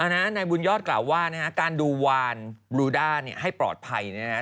นายบุญยอดกล่าวว่านะฮะการดูวานบลูด้าให้ปลอดภัยนะฮะ